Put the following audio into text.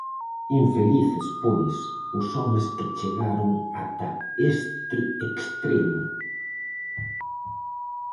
Infelices, pois, os homes que chegaron ata este extremo!